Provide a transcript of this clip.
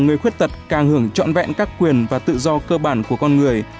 người khuyết tật càng hưởng trọn vẹn các quyền và tự do cơ bản của con người